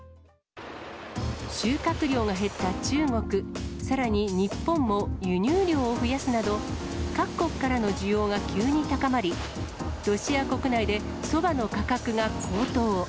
収穫量が減った中国、さらに日本も輸入量を増やすなど、各国からの需要が急に高まり、ロシア国内でそばの価格が高騰。